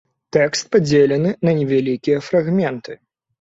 Тэкст падзелены на невялікія фрагменты.